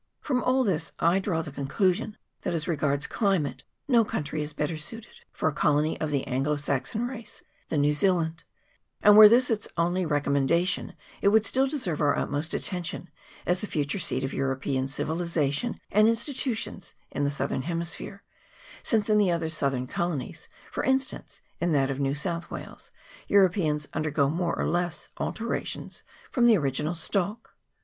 From all this I draw the conclusion* that as regards climate no country is better suited for a colony of the Anglo Saxon race than New Zealand ; and were this its only recommendation, it would still deserve our utmost attention, as the future seat of European civilization and institutions in the southern hemisphere, since in the other southern colonies for instance, in that of New South Wales Europeans undergo more or less alterations from the original stock.